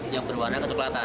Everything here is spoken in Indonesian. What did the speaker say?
yang berwarna ketuklatan